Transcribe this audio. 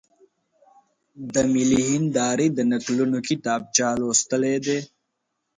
د ملي هېندارې د نکلونو کتاب چا لوستلی دی؟